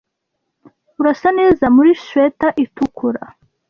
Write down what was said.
Urasa neza muri swater itukura.